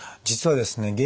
実はですね